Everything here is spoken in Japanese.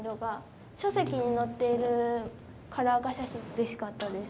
うれしかったです。